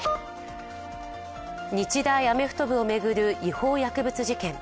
日大アメフト部を巡る違法薬物事件。